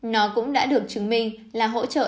nó cũng đã được chứng minh là hỗ trợ